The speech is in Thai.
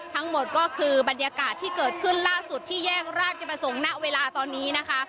ทั้งหมดก็คือบรรยากาศที่เกิดขึ้นล่าสุดที่แยกราชประสงค์ณเวลาตอนนี้นะคะ